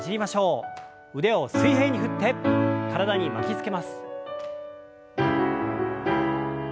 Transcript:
腕を水平に振って体に巻きつけます。